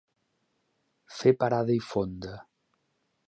Fer parada i fonda.